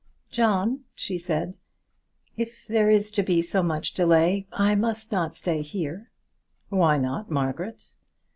"John," she said, "if there is to be so much delay, I must not stay here." "Why not, Margaret?"